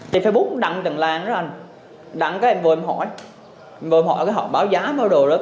trong bức đăng tầng làng đó anh đăng cái em vô em hỏi vô em hỏi cái họ báo giá báo đồ đó